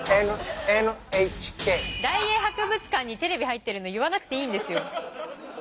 大英博物館にテレビ入ってるの言わなくていいんですよ。